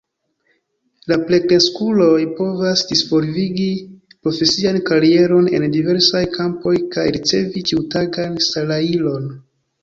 La plenkreskuloj povas disvolvigi profesian karieron en diversaj kampoj kaj ricevi ĉiutagan salajron.